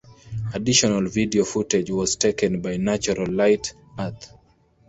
Additional video footage was taken by Natural Light Earth.